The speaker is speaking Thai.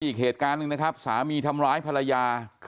อีกเหตุการณ์หนึ่งนะครับสามีทำร้ายภรรยา